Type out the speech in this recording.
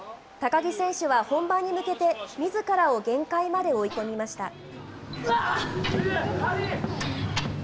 高木選手は本番に向けて、みずからを限界まで追い込みました。